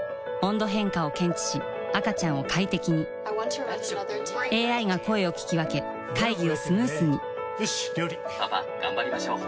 温度変化を検知し赤ちゃんを快適にＡＩが声を聞き分け会議をスムースによし！